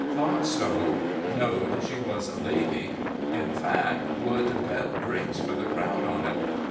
Thought so knowed she was a lady in fact, would bet drinks for the crowd on it.